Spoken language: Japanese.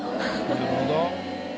なるほど。